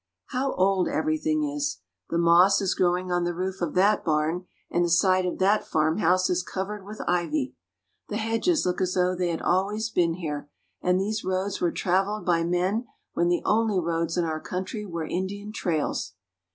How old everything is! The moss is growing on the roof of that barn, and the side of that farmhouse is cov ered with ivy. The hedges look as though they had al ways been here, and these roads were traveled by men when the only roads in our country were Indian trails.